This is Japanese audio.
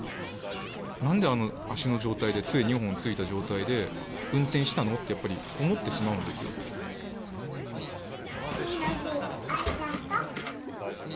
なんであの足の状態で、つえ２本ついた状態で運転したのって、やっぱり思ってしまうんで父の日、ありがと。